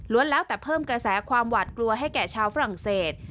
แล้วแต่เพิ่มกระแสความหวาดกลัวให้แก่ชาวฝรั่งเศส